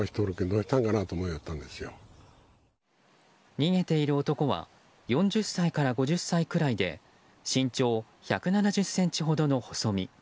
逃げている男は４０歳から５０歳くらいで身長１７０ｃｍほどの細身。